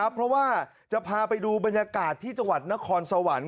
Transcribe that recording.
เพราะว่าจะพาไปดูบรรยากาศที่จังหวัดนครสวรรค์